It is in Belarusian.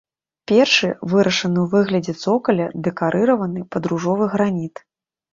Першы вырашаны ў выглядзе цокаля, дэкарыраваны пад ружовы граніт.